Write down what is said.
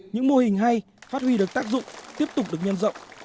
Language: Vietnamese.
những mô hình hay phát huy được tác dụng tiếp tục được nhân rộng